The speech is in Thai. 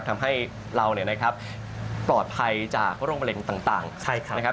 ทำให้เราปลอดภัยจากโรงแบรนดิ์ต่างนะครับ